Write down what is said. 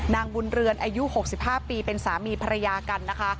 นางบุญเรือนอายุ๖๕ปีเป็นสามีภรรยากันนะคะ